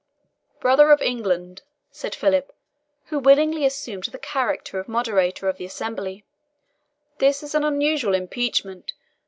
"Brother of England," said Philip, who willingly assumed the character of moderator of the assembly, "this is an unusual impeachment.